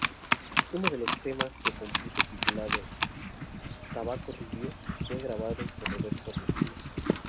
Uno de los temas que compuso, titulado "Tabaco rubio", fue grabado por Roberto Rufino.